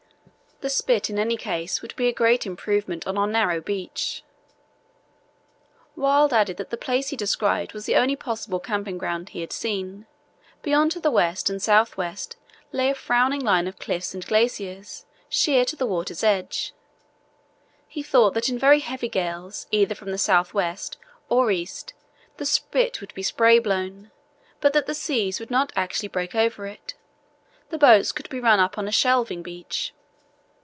The spit, in any case, would be a great improvement on our narrow beach. Wild added that the place he described was the only possible camping ground he had seen. Beyond, to the west and south west, lay a frowning line of cliffs and glaciers, sheer to the water's edge. He thought that in very heavy gales either from the south west or east the spit would be spray blown, but that the seas would not actually break over it. The boats could be run up on a shelving beach.